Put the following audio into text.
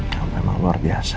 kamu emang luar biasa